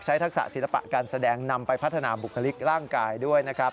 ทักษะศิลปะการแสดงนำไปพัฒนาบุคลิกร่างกายด้วยนะครับ